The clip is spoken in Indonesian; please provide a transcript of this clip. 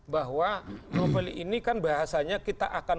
bahwa novel ini kan bahasanya kita akan